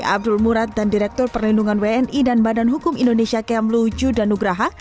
abdul murad dan direktur perlindungan wni dan badan hukum indonesia kemlu judah nugraha